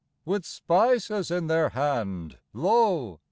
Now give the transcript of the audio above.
With spices in their hand, Lo